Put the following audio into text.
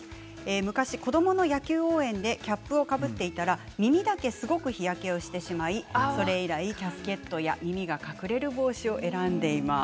昔、子どもの野球の応援でキャップをかぶっていたら耳だけすごく日焼けしてしまいそれ以来キャスケットや耳が隠れる帽子を選んでいます。